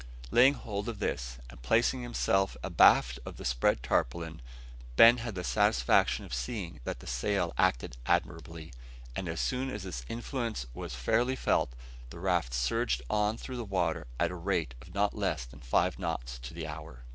Laying hold of this, and placing himself abaft of the spread tarpaulin, Ben had the satisfaction of seeing that the sail acted admirably; and as soon as its influence was fairly felt, the raft surged on through the water at a rate of not less than five knots to the hour.